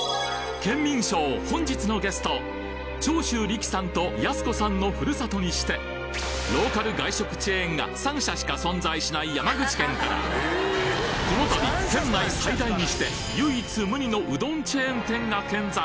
『ケンミンＳＨＯＷ』本日のゲスト長州力さんとやす子さんのふるさとにしてローカル外食チェーンが３社しか存在しない山口県からこの度県内最大にして唯一無二のうどんチェーン店が見参！